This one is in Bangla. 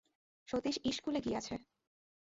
সতীশ ইস্কুলে গিয়াছে।